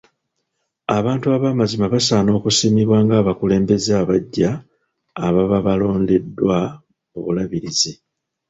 Abantu abamazima basaana okusiimibwa ng'abakulembeze abaggya ababa balondeddwa mu bulabirizi.